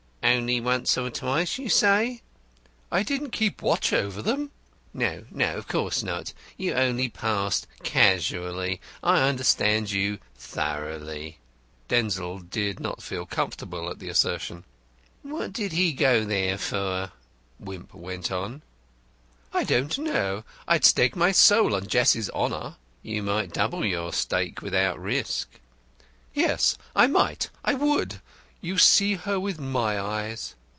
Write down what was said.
"Only once or twice, you say?" "I didn't keep watch over them." "No, no, of course not. You only passed casually. I understand you thoroughly." Denzil did not feel comfortable at the assertion. "What did he go there for?" Wimp went on. "I don't know. I'd stake my soul on Jessie's honour." "You might double your stake without risk." "Yes, I might! I would! You see her with my eyes."